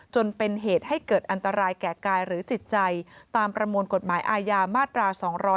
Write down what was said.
จนเป็นเหตุให้เกิดอันตรายแก่กายหรือจิตใจตามประมวลกฎหมายอาญามาตรา๒๗